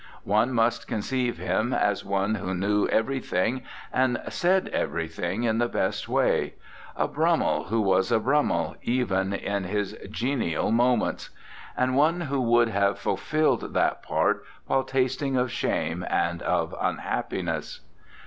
One must conceive him as one who knew everything and said everything in the best way. A Brummel, who was a Brummel even in his genial moments. ERNEST LA JEUNESSE And one who would have fulfilled that part while tasting of shame and of un happiness.